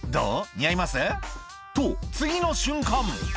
似合います？」と次の瞬間